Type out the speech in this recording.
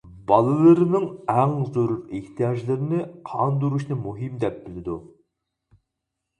بالىلىرىنىڭ ئەڭ زۆرۈر ئېھتىياجلىرىنى قاندۇرۇشنى مۇھىم دەپ بىلىدۇ.